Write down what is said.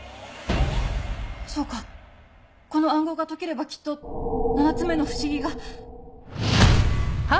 そうかこの暗号が解ければきっと７つ目の不思議が。